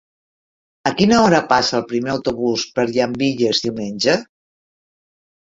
A quina hora passa el primer autobús per Llambilles diumenge?